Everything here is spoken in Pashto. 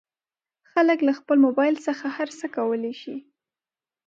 خلک له خپل مبایل څخه هر څه کولی شي.